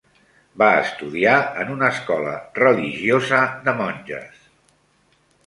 Va estudiar en una escola religiosa, de monges.